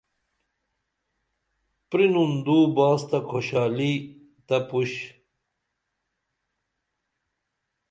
پرینُن دو باس تہ کھوشالی تہ پُش